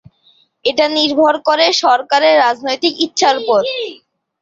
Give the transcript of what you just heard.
এটা নির্ভর করে সরকারের রাজনৈতিক ইচ্ছার উপর।